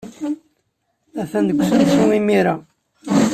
Atan deg usensu imir-a.